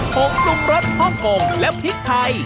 ผงปรุงรสฮ่องกงและพริกไทย